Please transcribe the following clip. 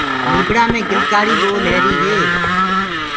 نيبڙآ مينٚ گِلڪآڙي پول رهيريٚ هي۔